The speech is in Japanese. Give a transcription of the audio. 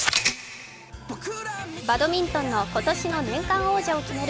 バドミントンの今年の年間王者を決める